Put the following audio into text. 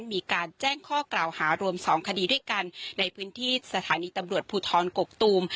มีการแจ้งข้อกล่าวหารวมสองคดีด้วยกันในพื้นที่สถานีตำรวจภูทรกกตูม